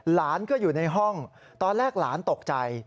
หลานก็อยู่ในห้องตอนแรกหลานตกใจ